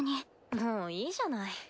もういいじゃない？